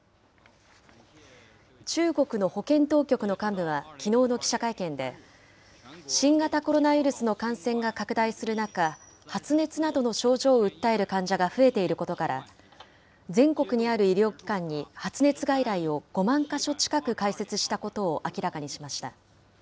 中国の保健当局の幹部は、きのうの記者会見で、新型コロナウイルスの感染が拡大する中、発熱などの症状を訴える患者が増えていることから、全国にある医療機関に発熱外来を５万か所近く開設したことを明らかにしました。